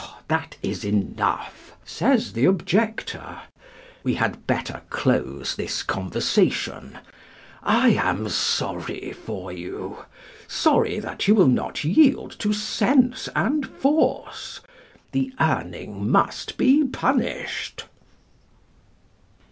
"That is enough," says the objector: "We had better close this conversation. I am sorry for you, sorry that you will not yield to sense and force. The Urning must be punished."